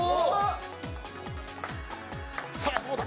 さあどうだ？